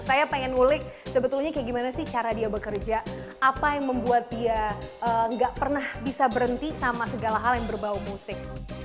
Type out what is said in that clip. saya pengen ngulik sebetulnya kayak gimana sih cara dia bekerja apa yang membuat dia nggak pernah bisa berhenti sama segala hal yang berbau musik